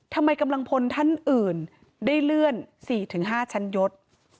ทำไมกำลังพลท่านอื่นได้เลื่อน๔๕ชั้นยศ